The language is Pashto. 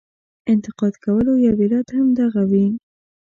انتقاد کولو یو علت هم دغه وي.